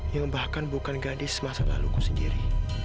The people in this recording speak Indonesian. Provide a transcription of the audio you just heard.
yang bahkan bukan gadis masa lalu ku sendiri